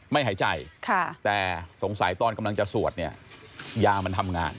ไม่หายใจแต่สงสัยตอนกำลังจะสวดเนี่ยยามันทำงาน